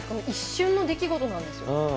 一瞬の出来事なんですよ。